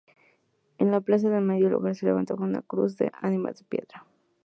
En la plaza de Medio Lugar, se levanta una cruz de ánimas de piedra.